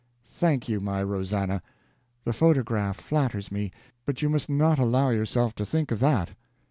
"Thank you, my Rosannah! The photograph flatters me, but you must not allow yourself to think of that.